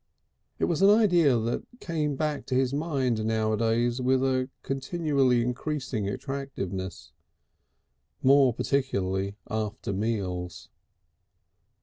It was an idea that came back to his mind nowadays with a continually increasing attractiveness more particularly after meals.